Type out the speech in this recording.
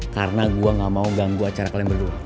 karena gue ga mau ganggu acara kalian berdua